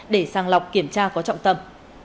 để sang lọc kiểm tra có trọng tầm